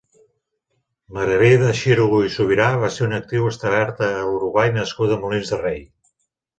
Margarida Xirgu i Subirà va ser una actriu establerta a l'Uruguai nascuda a Molins de Rei.